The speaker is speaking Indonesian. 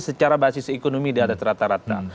secara basis ekonomi di atas rata rata